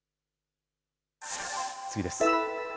次です。